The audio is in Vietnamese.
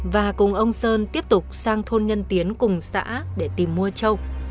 và cùng ông sơn tiếp tục sang thôn nhân tiến cùng xã để tìm mua trâu